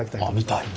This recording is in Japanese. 見たい。